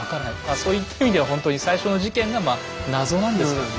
そういった意味ではほんとに最初の事件がまあ謎なんですけどね。